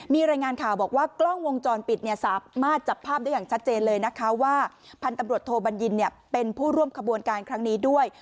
มีรายงานข่าวบอกว่ากล้องวงจรปิดเนี่ยสามารถจับภาพได้อย่างชัดเจนเลยนะคะว่าพันธุ์ตำรวจโทบัญญินเป็นผู้ร่วมขบวนการครั้งนี้ด้วย